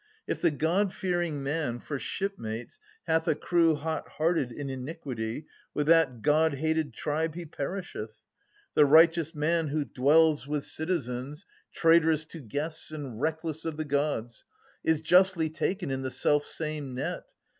If the godfearing man for shipmates hath A crew hot hearted in iniquity, With that god hated tribe he perisheth : The righteous man who dwells with citizens Traitrous to guests and reckless of the Gods, Is justly taken in the selfsame net.